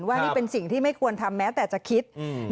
ว่านี่เป็นสิ่งที่ไม่ควรทำแม้แต่จะคิด